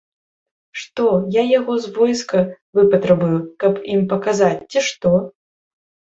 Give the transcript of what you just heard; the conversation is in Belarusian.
Што, я яго з войска выпатрабую, каб ім паказаць, ці што?